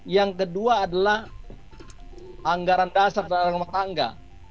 yang kedua adalah anggaran dasar dan anggaran tangga